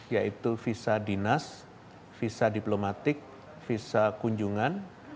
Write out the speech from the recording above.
yaitu visa dinas visa diplomatik visa kunjungan